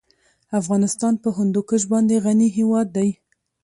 افغانستان په هندوکش باندې غني هېواد دی.